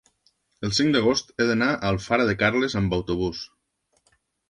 el cinc d'agost he d'anar a Alfara de Carles amb autobús.